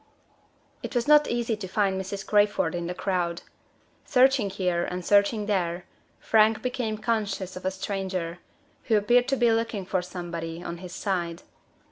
It was not easy to find Mrs. Crayford in the crowd. Searching here, and searching there, Frank became conscious of a stranger, who appeared to be looking for somebody, on his side.